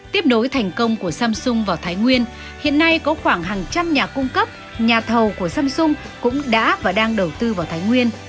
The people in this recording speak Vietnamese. tiếp nối thành công của samsung vào thái nguyên hiện nay có khoảng hàng trăm nhà cung cấp nhà thầu của samsung cũng đã và đang đầu tư vào thái nguyên